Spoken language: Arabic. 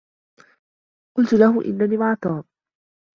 قلت له إنّني مع توم.